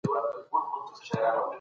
افغانستان ډېر اوږد او لرغونی تاریخ لري.